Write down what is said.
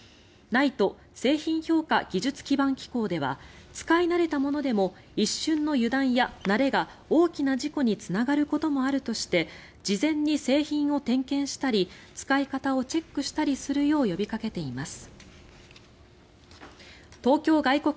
ＮＩＴＥ・製品評価技術基盤機構では使い慣れたものでも一瞬の油断や慣れが大きな事故につながることもあるとして事前に製品を点検したり使い方をチェックしたりするよう呼びかけています。